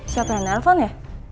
siapa yang nelfon ya